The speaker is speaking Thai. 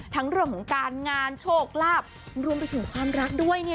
ทั้งเรื่องของการงานโชคลาภรวมไปถึงความรักด้วยเนี่ย